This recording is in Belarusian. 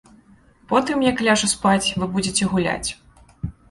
Потым, як ляжа спаць, вы будзеце гуляць.